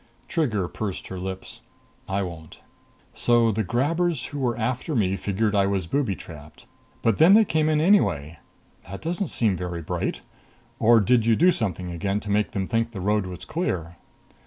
Trigger pursed her lips. "I won't. So the grabbers who were after me figured I was booby trapped. But then they came in anyway. That doesn't seem very bright. Or did you do something again to make them think the road was clear?"